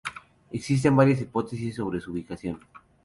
Existen varias hipótesis sobre su ubicación.